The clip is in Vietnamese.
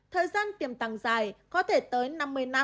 thời gian tiềm tàng dài có thể tới năm mươi năm